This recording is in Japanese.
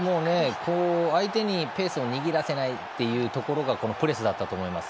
相手にペースを握らせないというところがこのプレスだったと思います。